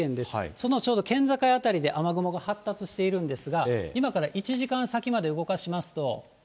そのちょうど県境辺りで雨雲が発達しているんですが、今から１時間先まで動かしますと。